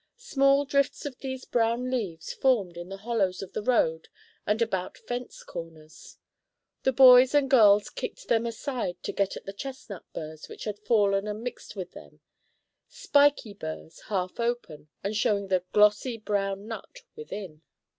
Small drifts of these brown leaves formed in the hollows of the road and about fence corners. The boys and girls kicked them aside to get at the chestnut burs which had fallen and mixed with them, spiky burs, half open, and showing the glossy brown nut within.